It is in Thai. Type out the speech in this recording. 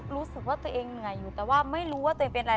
รู้สึกว่าตัวเองเหนื่อยอยู่แต่ว่าไม่รู้ว่าตัวเองเป็นอะไร